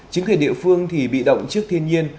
chính quyền địa phương thì bị động trước thiên nhiên